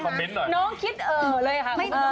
น้องคิดเอ่อเลยค่ะ